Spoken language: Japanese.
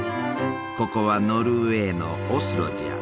ここはノルウェーのオスロじゃ。